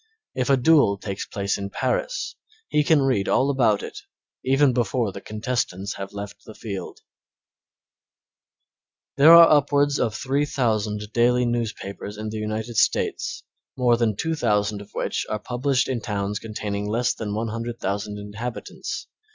If a duel takes place in Paris he can read all about it even before the contestants have left the field. There are upwards of 3,000 daily newspapers in the United States, more than 2,000 of which are published in towns containing less than 100,000 inhabitants.